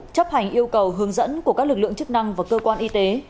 chấp hành yêu cầu hướng dẫn của các lực lượng chức năng và cơ quan y tế